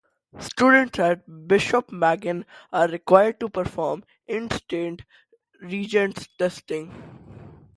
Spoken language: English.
Students at Bishop Maginn are required to perform in State Regents testing.